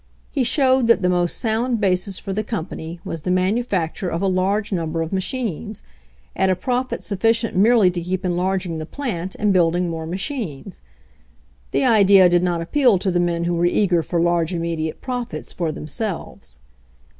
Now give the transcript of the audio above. He showed that the most sound basis for the company was the manufacture of a large number of machines, at a profit sufficient merely to keep enlarging the plant and building more machines. The idea did not appeal to the men who were eager for large immediate profits for themselves.